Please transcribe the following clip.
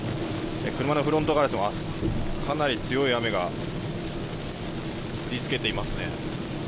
車のフロントガラスにかなり強い雨が降りつけていますね。